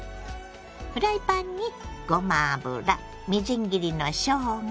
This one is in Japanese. フライパンにごま油みじん切りのしょうが